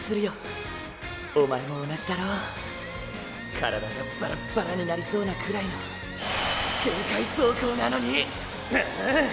体がバラバラになりそうなくらいの限界走行なのにああ。